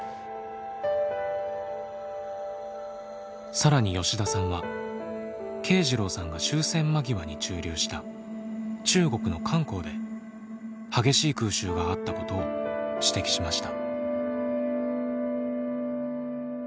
更に吉田さんは慶次郎さんが終戦間際に駐留した中国の漢口で激しい空襲があったことを指摘しました。